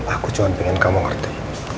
aku cuma pengen kamu ngerti